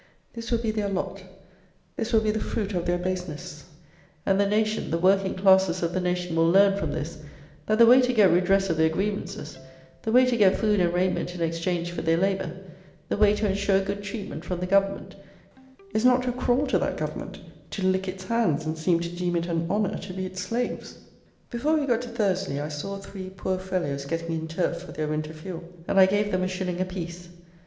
This will be their lot; this will be the fruit of their baseness: and the nation, the working classes of the nation, will learn, from this, that the way to get redress of their grievances, the way to get food and raiment in exchange for their labour, the way to ensure good treatment from the Government, is not to crawl to that Government, to lick its hands, and seem to deem it an honour to be its slaves. Before we got to Thursley, I saw three poor fellows getting in turf for their winter fuel, and I gave them a shilling apiece.